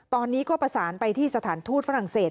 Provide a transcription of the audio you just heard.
ตอนนี้ก็ประสานไปที่สถานทูตฝรั่งเศส